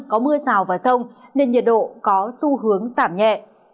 có mưa rào vào sông nên nhiệt độ có xu hướng giảm nhẹ